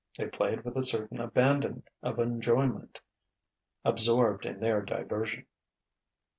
They played with a certain abandon of enjoyment, absorbed in their diversion....